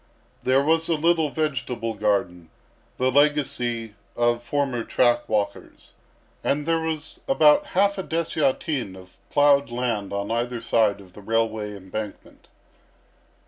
There was a little vegetable garden, the legacy of former track walkers, and there was about half a dessiatin of ploughed land on either side of the railway embankment.